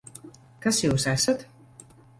Kas jūs esat?